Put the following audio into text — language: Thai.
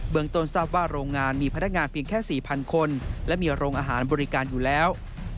ต้นทราบว่าโรงงานมีพนักงานเพียงแค่๔๐๐คนและมีโรงอาหารบริการอยู่แล้ว